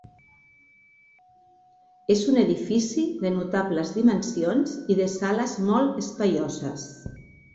És un edifici de notables dimensions i de sales molt espaioses.